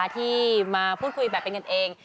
ที่มาพูดคุยแบบเป็นกันเอง